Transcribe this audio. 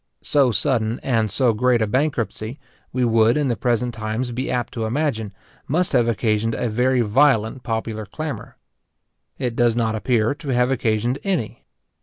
So sudden and so great a bankruptcy, we should in the present times be apt to imagine, must have occasioned a very violent popular clamour. It does not appear to have occasioned any.